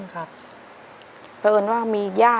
การนำมันไป